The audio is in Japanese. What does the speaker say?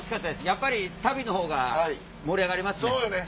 やっぱり旅のほうが盛り上がりますね。